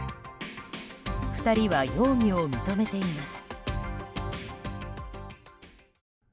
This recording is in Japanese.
２人は容疑を認めています。